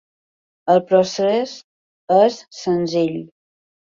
El procés és senzill.